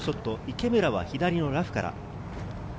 池村は左のラフから。